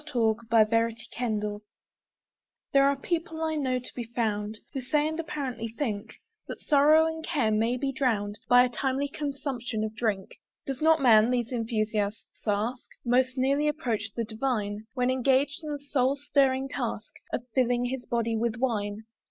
K. Stephen Drinking Song THERE are people, I know, to be found, Who say, and apparently think, That sorrow and care may be drowned By a timely consumption of drink. Does not man, these enthusiasts ask, Most nearly approach the divine, When engaged in the soul stirring task Of filling his body with wine?